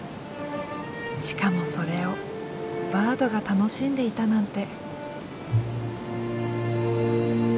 しかもそれをバードが楽しんでいたなんて。